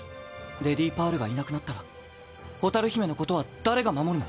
レディパールがいなくなったら蛍姫のことは誰が守るの？